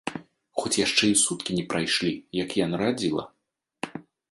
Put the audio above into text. Хоць яшчэ і суткі не прайшлі, як я нарадзіла.